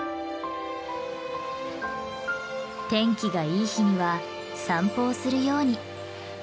天気がいい日には散歩をするように。